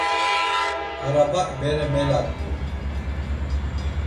Arabak bere melat̆u.